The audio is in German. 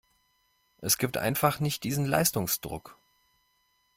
Es gibt einfach nicht diesen Leistungsdruck.